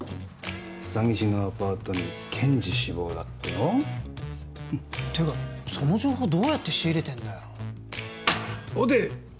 詐欺師のアパートに検事志望だってよていうかその情報どうやって仕入れてんだよ王手！